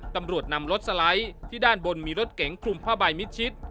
ตำรวจนำรถสไลด์ที่ด้านบนมีรถเก๋งคลุมผ้าใบมิดชิด